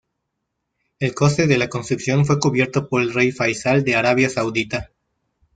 El coste de la construcción fue cubierto por el Rey Faisal de Arabia Saudita.